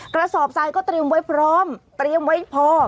กระสอบทรายก็เตรียมไว้พร้อมเตรียมไว้พอ